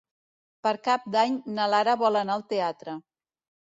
Per Cap d'Any na Lara vol anar al teatre.